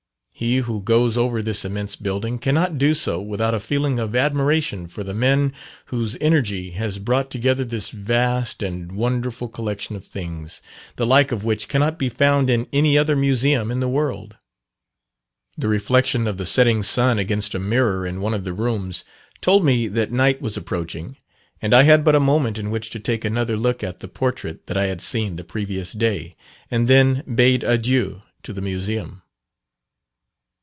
He who goes over this immense building, cannot do so without a feeling of admiration for the men whose energy has brought together this vast and wonderful collection of things, the like of which cannot be found in any other museum in the world. The reflection of the setting sun against a mirror in one of the rooms, told me that night was approaching, and I had but a moment in which to take another look at the portrait that I had seen the previous day, and then bade adieu to the Museum.